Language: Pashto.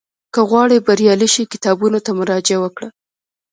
که غواړې بریالی شې، کتابونو ته مراجعه وکړه.